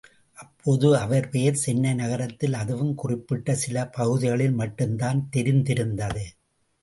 அப்போது அவர் பெயர் சென்னை நகரத்தில் அதுவும் குறிப்பிட்ட சில பகுதிகளில் மட்டுந்தான் தெரிந்திருந்தது.